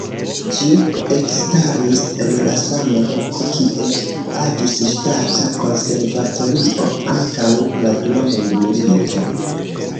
Ĝi ekstaris en la sama loko kie agis Ŝtata Konservatorio antaŭ la dua mondmilito.